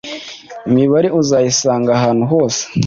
Imibare uzayisangaa hantu hose